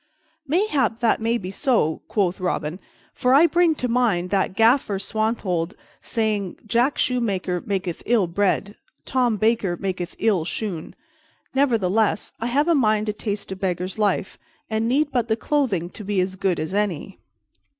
"Mayhap that may be so," quoth Robin, "for I bring to mind that Gaffer Swanthold sayeth Jack Shoemaker maketh ill bread; Tom Baker maketh ill shoon. Nevertheless, I have a mind to taste a beggar's life, and need but the clothing to be as good as any."